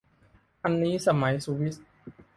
อันนี้สมัยสุวิทย์